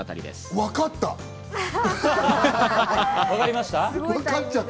わかった！